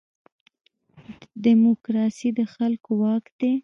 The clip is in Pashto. دیموکراسي د خلکو واک دی